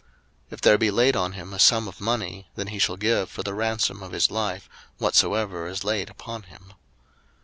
02:021:030 If there be laid on him a sum of money, then he shall give for the ransom of his life whatsoever is laid upon him.